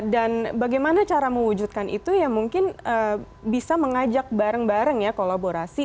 dan bagaimana cara mewujudkan itu ya mungkin bisa mengajak bareng bareng ya kolaborasi